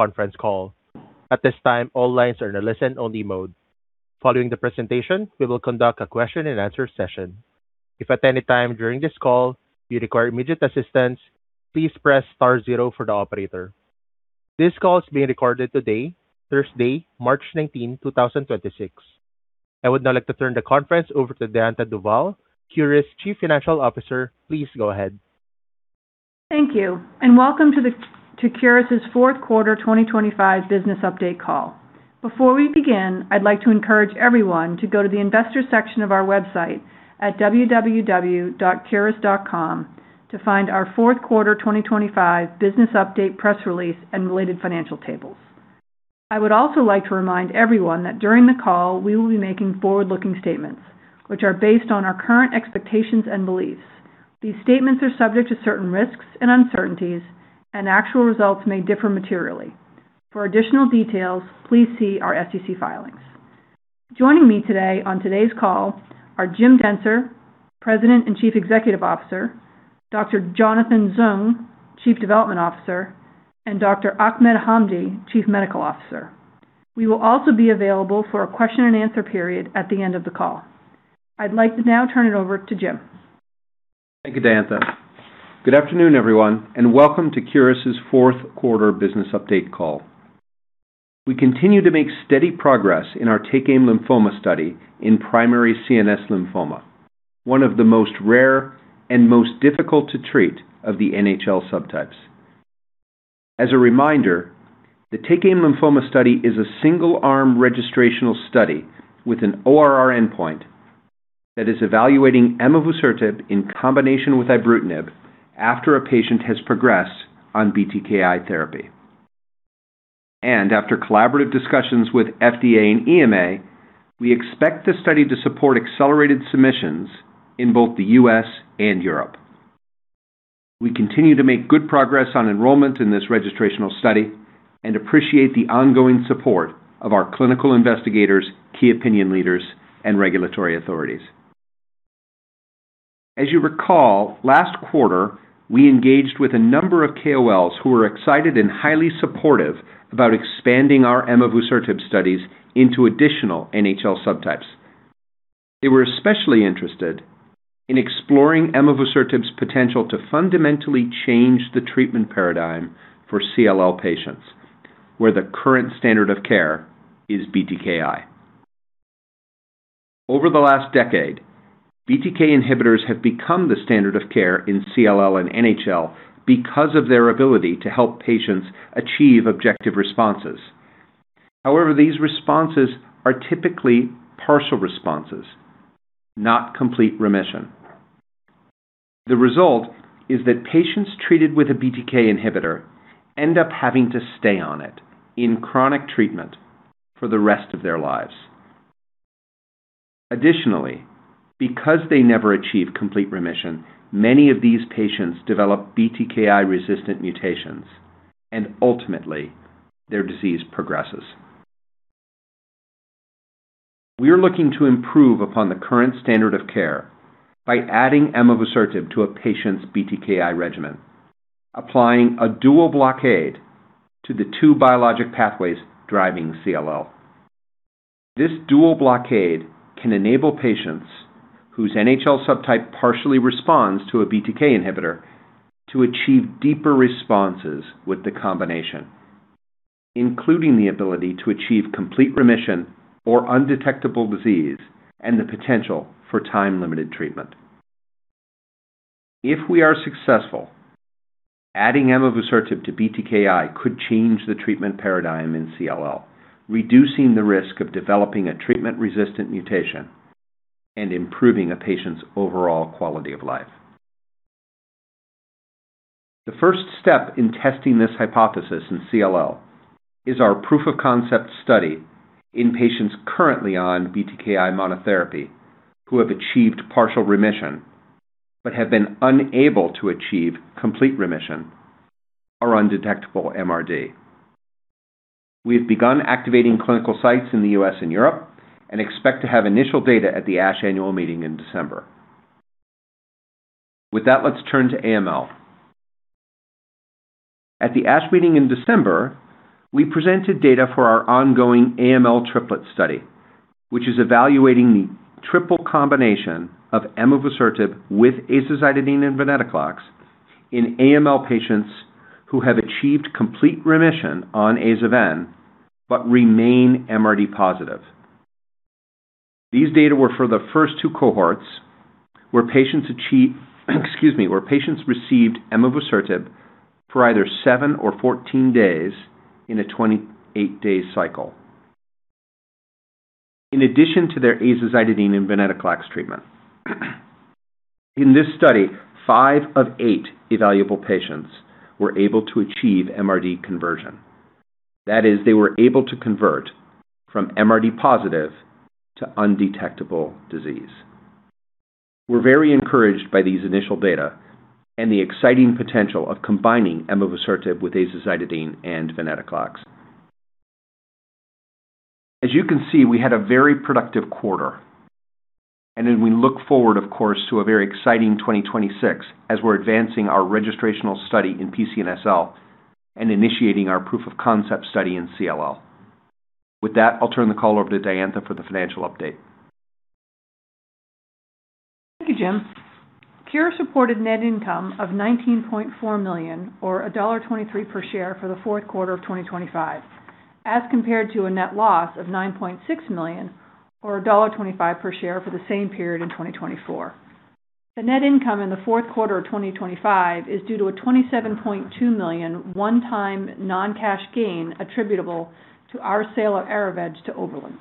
Conference call. At this time, all lines are in a listen-only mode. Following the presentation, we will conduct a question and answer session. If at any time during this call you require immediate assistance, please press star zero for the operator. This call is being recorded today, Thursday, March 19th, 2026. I would now like to turn the conference over to Diantha Duvall, Curis Chief Financial Officer. Please go ahead. Thank you and welcome to Curis's Q4 2025 business update call. Before we begin, I'd like to encourage everyone to go to the investors section of our website at www.curis.com to find our Q4 2025 business update, press release and related financial tables. I would also like to remind everyone that during the call we will be making forward-looking statements, which are based on our current expectations and beliefs. These statements are subject to certain risks and uncertainties and actual results may differ materially. For additional details, please see our SEC filings. Joining me today on today's call are Jim Dentzer, President and Chief Executive Officer, Dr. Jonathan Zung, Chief Development Officer, and Dr. Ahmed Hamdy, Chief Medical Officer. We will also be available for a question and answer period at the end of the call. I'd like to now turn it over to Jim. Thank you, Diantha. Good afternoon, everyone, and welcome to Curis's Q4 business update call. We continue to make steady progress in our Take Aim Lymphoma study in primary CNS lymphoma, one of the most rare and most difficult to treat of the NHL subtypes. As a reminder, the Take Aim Lymphoma study is a single-arm registrational study with an ORR endpoint that is evaluating emavusertib in combination with ibrutinib after a patient has progressed on BTKI therapy. After collaborative discussions with FDA and EMA, we expect the study to support accelerated submissions in both the U.S. and Europe. We continue to make good progress on enrollment in this registrational study and appreciate the ongoing support of our clinical investigators, key opinion leaders, and regulatory authorities. As you recall, last quarter, we engaged with a number of KOLs who were excited and highly supportive about expanding our emavusertib studies into additional NHL subtypes. They were especially interested in exploring emavusertib's potential to fundamentally change the treatment paradigm for CLL patients, where the current standard of care is BTKI. Over the last decade, BTK inhibitors have become the standard of care in CLL and NHL because of their ability to help patients achieve objective responses. However, these responses are typically partial responses, not complete remission. The result is that patients treated with a BTK inhibitor end up having to stay on it in chronic treatment for the rest of their lives. Additionally, because they never achieve complete remission, many of these patients develop BTKI-resistant mutations, and ultimately, their disease progresses. We are looking to improve upon the current standard of care by adding emavusertib to a patient's BTKI regimen, applying a dual blockade to the two biologic pathways driving CLL. This dual blockade can enable patients whose NHL subtype partially responds to a BTK inhibitor to achieve deeper responses with the combination, including the ability to achieve complete remission or undetectable disease and the potential for time-limited treatment. If we are successful, adding emavusertib to BTKI could change the treatment paradigm in CLL, reducing the risk of developing a treatment-resistant mutation and improving a patient's overall quality of life. The first step in testing this hypothesis in CLL is our proof of concept study in patients currently on BTKI monotherapy who have achieved partial remission but have been unable to achieve complete remission or undetectable MRD. We have begun activating clinical sites in the U.S. and Europe and expect to have initial data at the ASH annual meeting in December. With that, let's turn to AML. At the ASH meeting in December, we presented data for our ongoing AML triplet study, which is evaluating the triple combination of emavusertib with azacitidine and venetoclax in AML patients who have achieved complete remission on aza-ven but remain MRD positive. These data were for the first two cohorts where patients received emavusertib for either seven or 14 days in a 28-day cycle. In addition to their azacitidine and venetoclax treatment. In this study, five of eight evaluable patients were able to achieve MRD conversion. That is, they were able to convert from MRD positive to undetectable disease. We're very encouraged by these initial data and the exciting potential of combining emavusertib with azacitidine and venetoclax. As you can see, we had a very productive quarter, and then we look forward, of course, to a very exciting 2026 as we're advancing our registrational study in PCNSL and initiating our proof of concept study in CLL. With that, I'll turn the call over to Diantha for the financial update. Thank you, Jim. Curis reported net income of $19.4 million or $1.23 per share for the Q4 of 2025, as compared to a net loss of $9.6 million or $1.25 per share for the same period in 2024. The net income in the Q4 of 2025 is due to a $27.2 million one-time non-cash gain attributable to our sale of Erivedge to Oberland.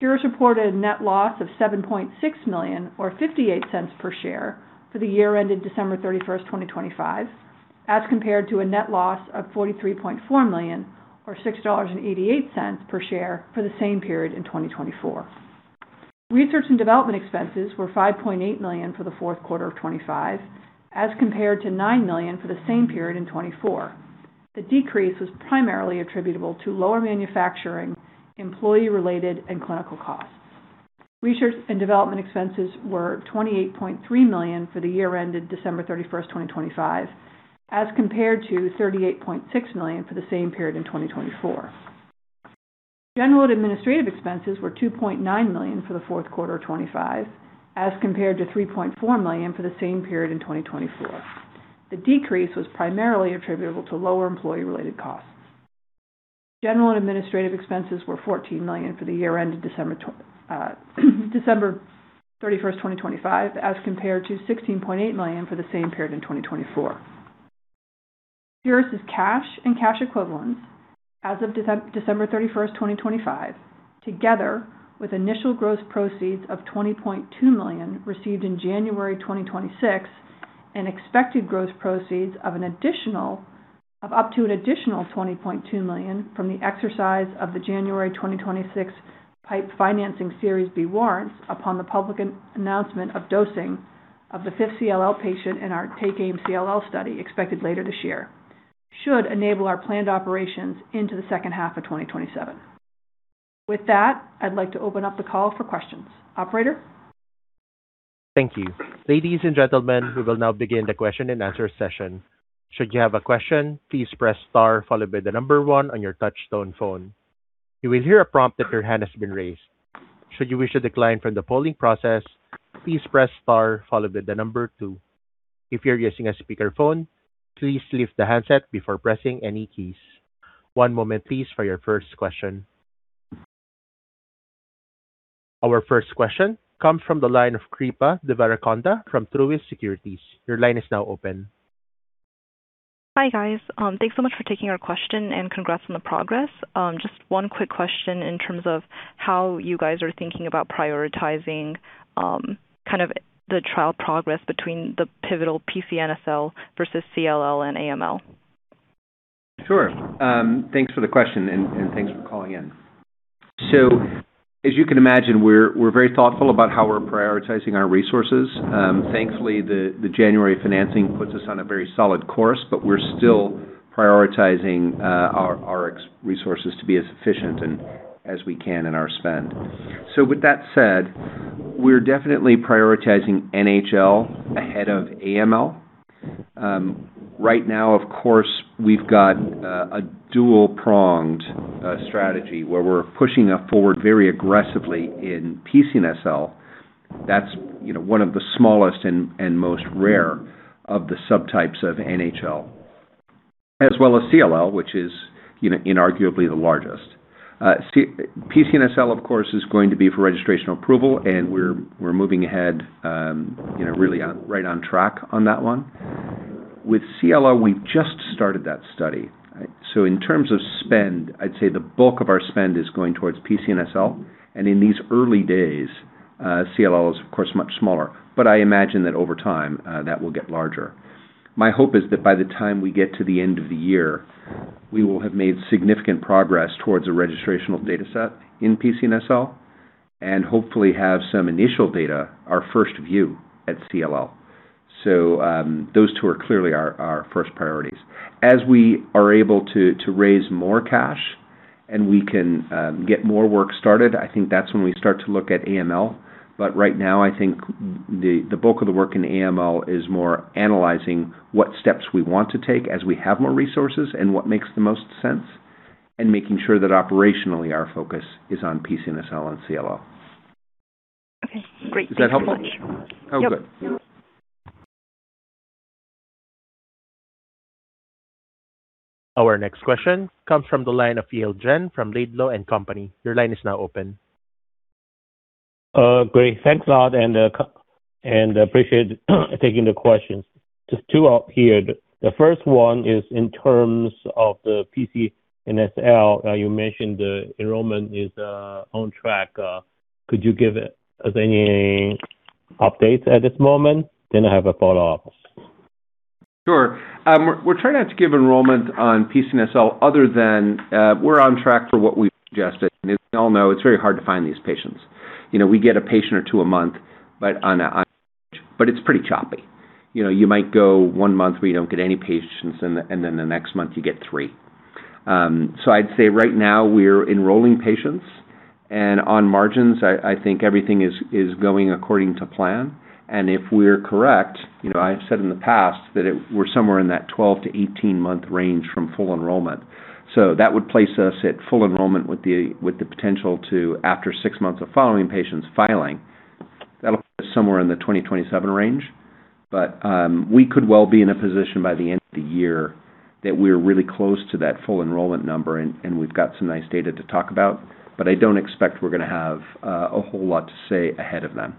Curis reported net loss of $7.6 million or $0.58 per share for the year ended December 31, 2025, as compared to a net loss of $43.4 million or $6.88 per share for the same period in 2024. Research and development expenses were $5.8 million for the Q4 of 2025, as compared to $9 million for the same period in 2024. The decrease was primarily attributable to lower manufacturing, employee-related, and clinical costs. Research and development expenses were $28.3 million for the year ended December 31, 2025, as compared to $38.6 million for the same period in 2024. General and administrative expenses were $2.9 million for the Q4 of 2025, as compared to $3.4 million for the same period in 2024. The decrease was primarily attributable to lower employee-related costs. General and administrative expenses were $14 million for the year ended December 31, 2025, as compared to $16.8 million for the same period in 2024. Curis' cash and cash equivalents as of December 31, 2025, together with initial gross proceeds of $20.2 million received in January 2026, and expected gross proceeds of up to an additional $20.2 million from the exercise of the January 2026 PIPE financing Series B warrants upon the public announcement of dosing of the fifth CLL patient in our Take Aim CLL study expected later this year, should enable our planned operations into the second half of 2027. With that, I'd like to open up the call for questions. Operator? Thank you. Ladies and gentlemen, we will now begin the question and answer session. Should you have a question, please press star followed by the number one on your touch tone phone. You will hear a prompt that your hand has been raised. Should you wish to decline from the polling process, please press star followed by the number two. If you're using a speakerphone, please lift the handset before pressing any keys. One moment please for your first question. Our first question comes from the line of Srikripa Devarakonda from Truist Securities. Your line is now open. Hi, guys. Thanks so much for taking our question, and congrats on the progress. Just one quick question in terms of how you guys are thinking about prioritizing, kind of the trial progress between the pivotal PCNSL versus CLL and AML? Sure. Thanks for the question and thanks for calling in. As you can imagine, we're very thoughtful about how we're prioritizing our resources. Thankfully, the January financing puts us on a very solid course, but we're still prioritizing our resources to be as efficient as we can in our spend. With that said, we're definitely prioritizing NHL ahead of AML. Right now, of course, we've got a dual-pronged strategy where we're pushing forward very aggressively in PCNSL. That's you know one of the smallest and most rare of the subtypes of NHL, as well as CLL, which is inarguably the largest. PCNSL, of course, is going to be for registrational approval, and we're moving ahead you know really right on track on that one. With CLL, we've just started that study. In terms of spend, I'd say the bulk of our spend is going towards PCNSL. In these early days, CLL is, of course, much smaller, but I imagine that over time, that will get larger. My hope is that by the time we get to the end of the year, we will have made significant progress towards a registrational data set in PCNSL and hopefully have some initial data, our first view at CLL. Those two are clearly our first priorities. As we are able to raise more cash and we can get more work started, I think that's when we start to look at AML. Right now, I think the bulk of the work in AML is more analyzing what steps we want to take as we have more resources and what makes the most sense, and making sure that operationally our focus is on PCNSL and CLL. Okay. Great. Thank you so much. Is that helpful? Yep. Oh, good. Our next question comes from the line of Yale Jen from Laidlaw & Company. Your line is now open. Great. Thanks a lot, and appreciate taking the questions. Just two up here. The first one is in terms of the PCNSL. You mentioned the enrollment is on track. Could you give any updates at this moment? Then I have a follow-up. Sure. We're trying not to give enrollment on PCNSL other than we're on track for what we've suggested. As we all know, it's very hard to find these patients. You know, we get a patient or two a month, but it's pretty choppy. You know, you might go one month where you don't get any patients, and then the next month you get three. I'd say right now we're enrolling patients, and on margins, I think everything is going according to plan. If we're correct, you know, I've said in the past that we're somewhere in that 12-18-month range from full enrollment. That would place us at full enrollment with the potential to, after six months of following patients filing, that'll put us somewhere in the 2027 range. We could well be in a position by the end of the year that we're really close to that full enrollment number, and we've got some nice data to talk about. I don't expect we're gonna have a whole lot to say ahead of them.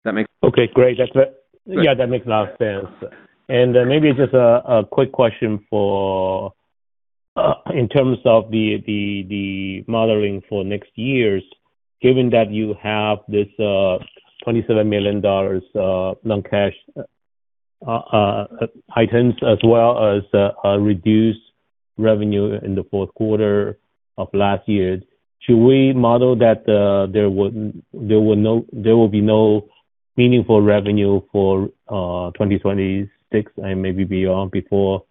Does that make sense? Okay, great. Yeah. Yeah, that makes a lot of sense. Maybe just a quick question for in terms of the modeling for next years, given that you have this $27 million non-cash items as well as a reduced revenue in the Q4 of last year, should we model that there will be no meaningful revenue for 2026 and maybe beyond before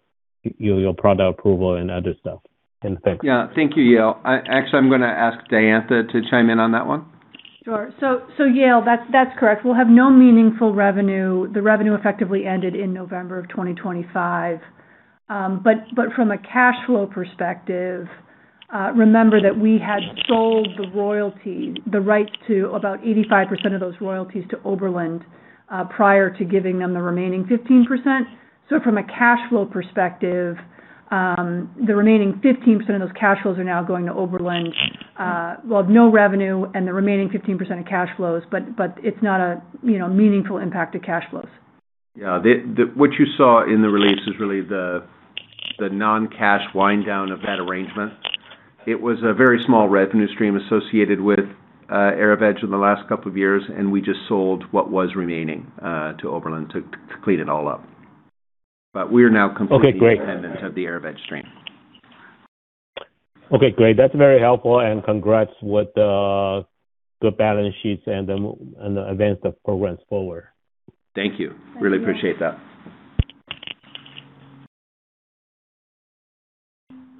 your product approval and other stuff? Thanks. Yeah. Thank you, Yale. Actually, I'm gonna ask Diantha to chime in on that one. Sure. Yale, that's correct. We'll have no meaningful revenue. The revenue effectively ended in November of 2025. From a cash flow perspective, remember that we had sold the royalty, the right to about 85% of those royalties to Oberland, prior to giving them the remaining 15%. From a cash flow perspective, the remaining 15% of those cash flows are now going to Oberland. We'll have no revenue and the remaining 15% of cash flows, but it's not a you know meaningful impact to cash flows. Yeah. What you saw in the release is really the non-cash wind down of that arrangement. It was a very small revenue stream associated with Erivedge in the last couple of years, and we just sold what was remaining to Oberland to clean it all up. We are now completely- Okay, great. independent of the Erivedge stream. Okay, great. That's very helpful, and congrats with the balance sheets and the advance of programs forward. Thank you. Thanks. Really appreciate that.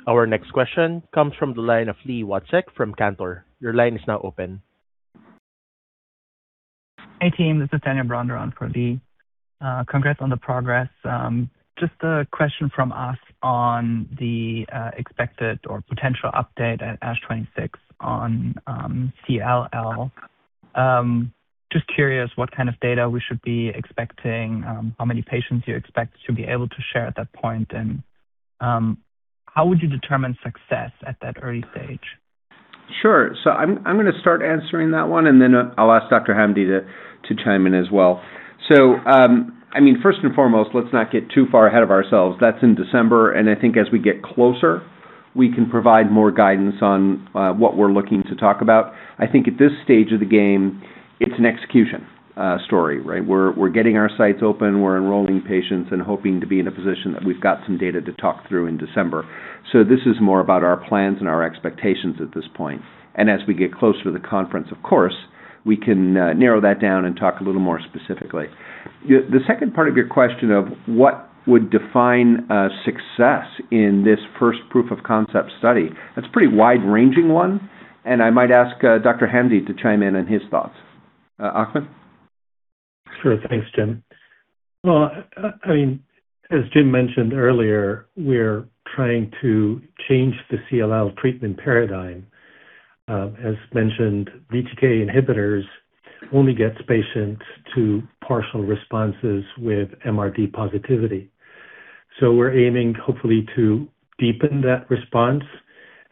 Our next question comes from the line of Li Watsek from Cantor. Your line is now open. Hey, team, this is Daniel Bronder on for Li Watsek. Congrats on the progress. Just a question from us on the expected or potential update at ASH 26 on CLL. Just curious what kind of data we should be expecting, how many patients you expect to be able to share at that point, and how would you determine success at that early stage? Sure. So I'm gonna start answering that one, and then I'll ask Dr. Hamdy to chime in as well. I mean, first and foremost, let's not get too far ahead of ourselves. That's in December, and I think as we get closer, we can provide more guidance on what we're looking to talk about. I think at this stage of the game, it's an execution story, right? We're getting our sites open, we're enrolling patients and hoping to be in a position that we've got some data to talk through in December. This is more about our plans and our expectations at this point. As we get closer to the conference, of course, we can narrow that down and talk a little more specifically. The second part of your question of what would define success in this first proof of concept study, that's a pretty wide-ranging one, and I might ask Dr. Hamdy to chime in on his thoughts. Ahmed? Sure. Thanks, Jim. Well, I mean, as Jim mentioned earlier, we're trying to change the CLL treatment paradigm. As mentioned, BTK inhibitors only gets patients to partial responses with MRD positivity. We're aiming hopefully to deepen that response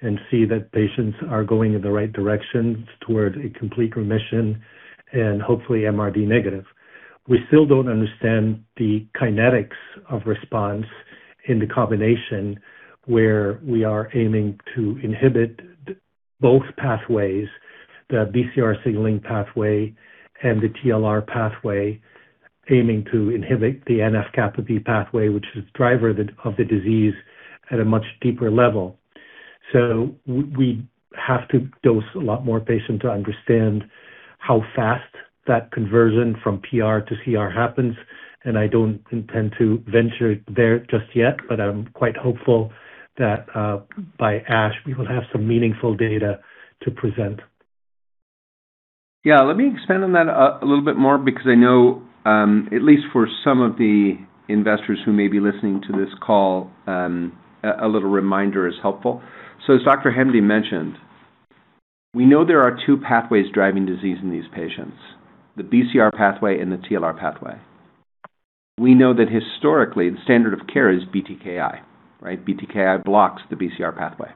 and see that patients are going in the right direction towards a complete remission and hopefully MRD negative. We still don't understand the kinetics of response in the combination where we are aiming to inhibit both pathways, the BCR signaling pathway and the TLR pathway, aiming to inhibit the NF-κB pathway, which is driving the disease at a much deeper level. We have to dose a lot more patients to understand how fast that conversion from PR to CR happens, and I don't intend to venture there just yet, but I'm quite hopeful that by ASH, we will have some meaningful data to present. Yeah. Let me expand on that a little bit more because I know at least for some of the investors who may be listening to this call, a little reminder is helpful. As Dr. Hamdy mentioned, we know there are two pathways driving disease in these patients, the BCR pathway and the TLR pathway. We know that historically, the standard of care is BTKI. Right? BTKI blocks the BCR pathway,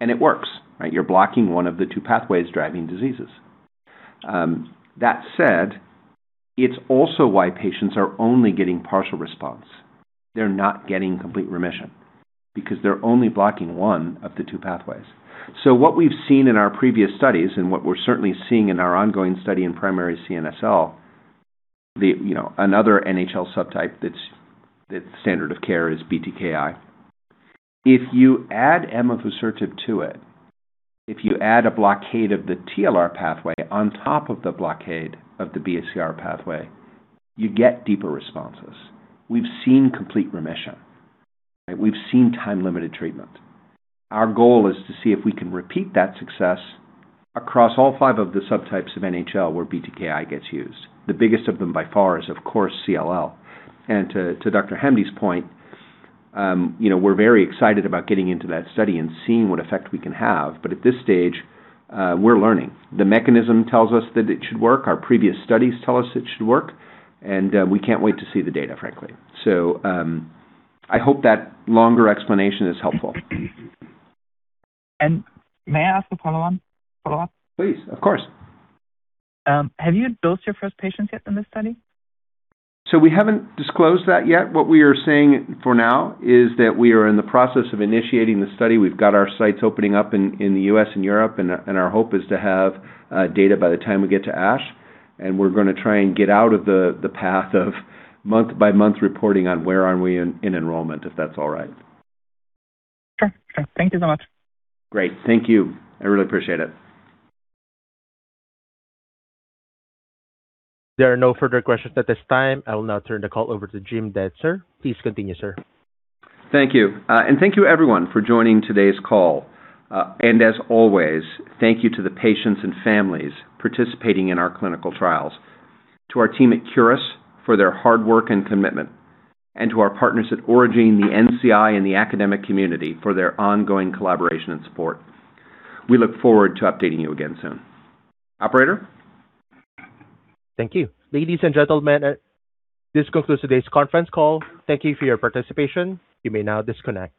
and it works. Right? You're blocking one of the two pathways driving diseases. That said, it's also why patients are only getting partial response. They're not getting complete remission because they're only blocking one of the two pathways. What we've seen in our previous studies and what we're certainly seeing in our ongoing study in primary PCNSL, you know, another NHL subtype that's standard of care is BTKI. If you add emavusertib to it, if you add a blockade of the TLR pathway on top of the blockade of the BCR pathway, you get deeper responses. We've seen complete remission. We've seen time-limited treatment. Our goal is to see if we can repeat that success across all five of the subtypes of NHL where BTKI gets used. The biggest of them by far is, of course, CLL. To Dr. Hamdy's point, we're very excited about getting into that study and seeing what effect we can have. At this stage, we're learning. The mechanism tells us that it should work, our previous studies tell us it should work, and we can't wait to see the data, frankly. I hope that longer explanation is helpful. May I ask a follow-up? Please, of course. Have you dosed your first patients yet in this study? We haven't disclosed that yet. What we are saying for now is that we are in the process of initiating the study. We've got our sites opening up in the U.S. and Europe, and our hope is to have data by the time we get to ASH, and we're gonna try and get out of the path of month-by-month reporting on where are we in enrollment, if that's all right. Sure. Thank you so much. Great. Thank you. I really appreciate it. There are no further questions at this time. I will now turn the call over to Jim Dentzer. Please continue, sir. Thank you. Thank you everyone for joining today's call. As always, thank you to the patients and families participating in our clinical trials, to our team at Curis for their hard work and commitment, and to our partners at Aurigene, the NCI, and the academic community for their ongoing collaboration and support. We look forward to updating you again soon. Operator? Thank you. Ladies and gentlemen, this concludes today's conference call. Thank you for your participation. You may now disconnect.